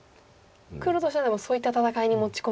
黒としてはでもそういった戦いに持ち込みたい。